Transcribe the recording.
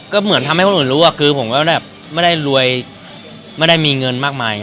ก็เหมือนทำให้คนอื่นรู้ว่าคือผมก็แบบไม่ได้รวยไม่ได้มีเงินมากมาย